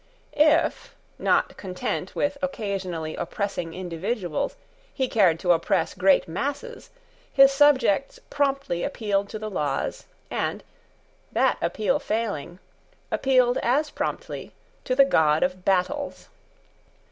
If, not content with occasionally oppressing individuals, he cared to oppress great masses, his subjects promptly appealed to the laws, and, that appeal failing, appealed as promptly to the God of battles.